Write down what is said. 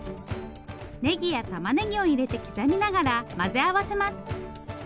ねぎやたまねぎを入れて刻みながら混ぜ合わせます。